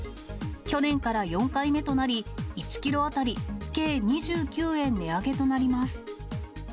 去年から４回目となり、１キロ当たり計２９円値上げとなります。